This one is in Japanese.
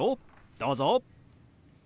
どうぞ。